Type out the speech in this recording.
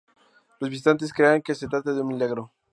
Los visitantes creen que se trata de un milagro.